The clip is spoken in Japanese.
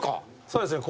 そうですね。